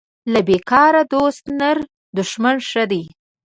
له بیکاره دوست نر دښمن ښه دی